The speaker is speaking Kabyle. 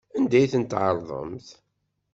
Anda ay ten-tɛerḍemt?